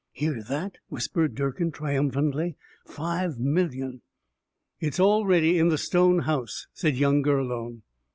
"Hear that?" whispered Durkin triumphantly. "Five million!" "It's all ready, in the stone house," said young Gurlone.